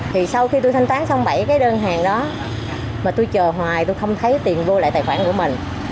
thì sau khi tôi thanh toán xong bảy cái đơn hàng đó mà tôi chờ hoài tôi không thấy tiền vô lại tài khoản của mình